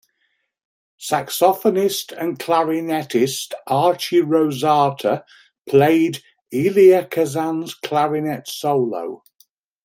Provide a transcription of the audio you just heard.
Saxophonist and clarinetist Archie Rosate played Elia Kazan's clarinet solos.